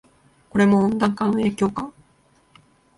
これも温暖化の影響か